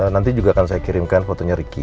nanti juga akan saya kirimkan fotonya ricky